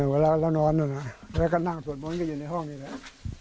เวลาเรานอนแล้วก็นั่งสวดม้อนก็อยู่ในห้องนี้แหละ